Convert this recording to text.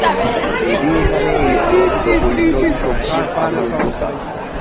দেবী এখানে এই অনন্ত বৈষ্ণবী শক্তির আধারভুতা।